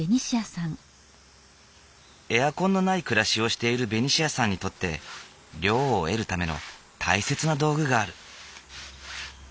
エアコンのない暮らしをしているベニシアさんにとって涼を得るための大切な道具がある。